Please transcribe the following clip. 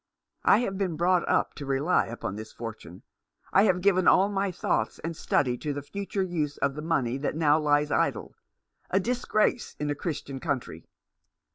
"I have been brought up to rely upon this fortune. I have given all my thoughts and study to the future use of the money that now lies idle — a disgrace in a Christian country.